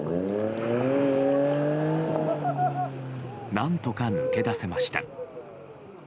何とか抜け出せました。